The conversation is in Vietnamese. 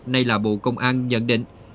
nay là bộ công an nhận định